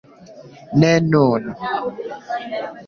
Ne nun.